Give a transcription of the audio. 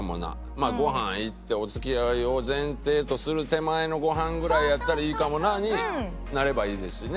まあごはん行って「お付き合いを前提とする手前のごはんぐらいやったらいいかもな」になればいいですしね。